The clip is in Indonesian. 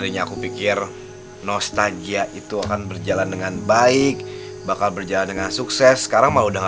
dan supaya kita juga bisa jadi saudaraan